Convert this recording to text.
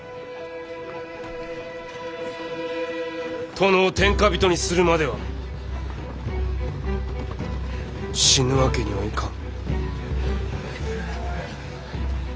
殿を天下人にするまでは死ぬわけにはいかん。